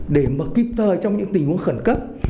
để mà kịp thời trong những tình huống khẩn cấp